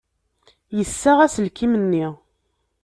Yessaɣ aselkim-nni.